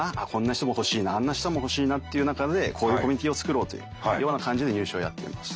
人も欲しいなあんな人も欲しいなっていう中でこういうコミュニティーを作ろうというような感じで入試をやっています。